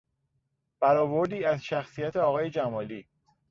برآوردی از شخصیت آقای جمالی